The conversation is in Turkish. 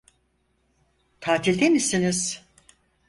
Tatilde misiniz?